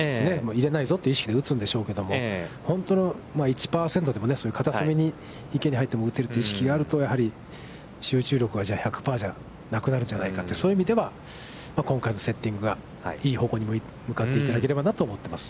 入れないぞという意識で打つんでしょうけど、本当に１％でもそういう片隅に池に入っても打てるという意識があると、やはり集中力はじゃあ、１００％じゃなくなるんじゃないかってそういう意味では、今回のセッティングがいい方向に向かっていただければなと思ってます。